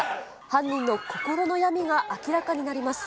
犯人の心の闇が明らかになります。